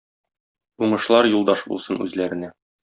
Уңышлар юлдаш булсын үзләренә!